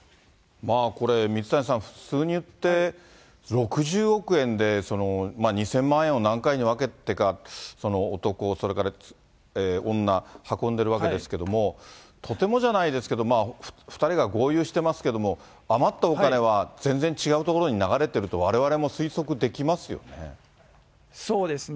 これ、水谷さん、普通に言って、６０億円で２０００万円を何回に分けてか、男、それから女、運んでるわけですけども、とてもじゃないですけど、２人が豪遊してますけども、余ったお金は全然違う所に流れてると、そうですね。